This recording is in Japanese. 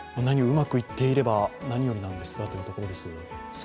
うまくいっていれば何よりなんですがというところです。